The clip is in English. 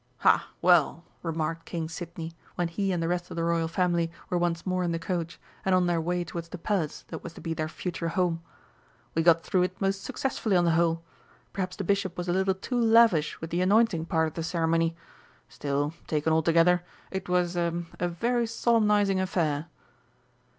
"Ha, well," remarked King Sidney, when he and the rest of the Royal family were once more in the coach, and on their way towards the palace that was to be their future home, "we got through it most successfully on the whole. Perhaps the Bishop was a little too lavish with the anointing part of the ceremony. Still, taken altogether, it was ah a very solemnising affair."